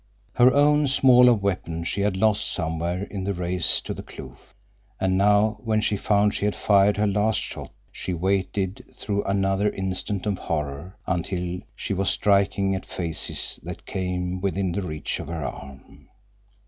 Her own smaller weapon she had lost somewhere in the race to the kloof, and now when she found she had fired her last shot she waited through another instant of horror, until she was striking at faces that came within the reach of her arm.